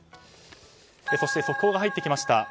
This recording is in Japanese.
そして速報が入ってきました。